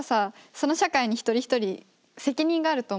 その社会に一人一人責任があると思うの。